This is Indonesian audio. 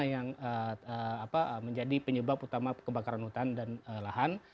yang menjadi penyebab utama kebakaran hutan dan lahan